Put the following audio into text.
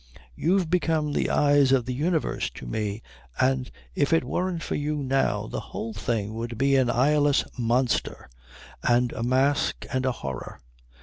You've become the eyes of the universe to me, and if it weren't for you now the whole thing would be an eyeless monster and a mask and a horror.